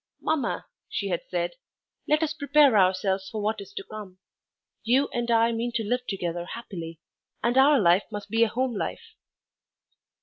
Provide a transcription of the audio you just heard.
"Mamma," she had said, "let us prepare ourselves for what is to come. You and I mean to live together happily, and our life must be a home life!"